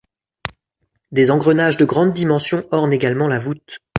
Des engrenages de grande dimension ornent également la voûte.